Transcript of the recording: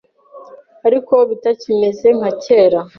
ariko bitakimeze nka kera.